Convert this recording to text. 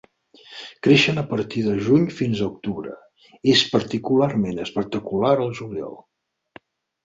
Creixen a partir de juny fins a octubre, és particularment espectacular al juliol.